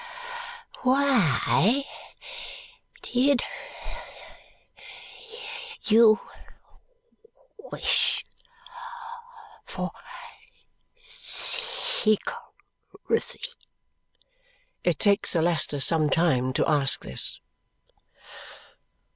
"Why did you wish for secrecy?" It takes Sir Leicester some time to ask this.